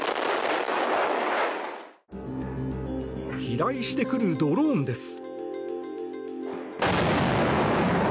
飛来してくるドローンです。